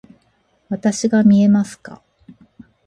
わたしが見えますか？